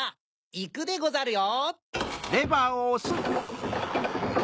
いくでござるよ！